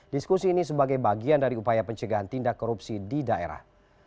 diskusi ini sebagai bagian dari upaya pencegahan tindak korupsi di daerah